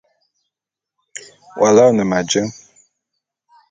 W'aloene ma jé?